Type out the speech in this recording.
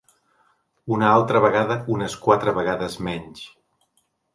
Una altra vegada unes quatre vegades menys.